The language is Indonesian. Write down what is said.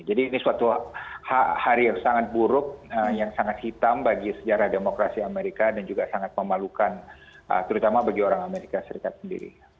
jadi ini suatu hari yang sangat buruk yang sangat hitam bagi sejarah demokrasi amerika dan juga sangat memalukan terutama bagi orang amerika serikat sendiri